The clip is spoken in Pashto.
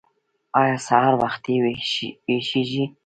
ایا سهار وختي ویښیږئ؟